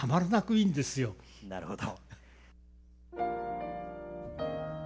なるほど。